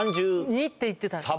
３２って言ってたんです。